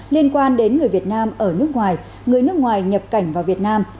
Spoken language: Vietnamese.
liên quan đến người việt nam ở nước ngoài người nước ngoài nhập cảnh vào việt nam